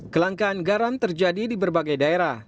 kelangkaan garam terjadi di berbagai daerah